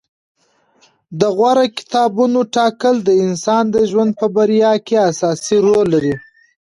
د غوره کتابونو ټاکل د انسان د ژوند په بریا کې اساسي رول لري.